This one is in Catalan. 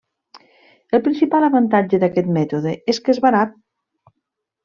El principal avantatge d'aquest mètode és que és barat.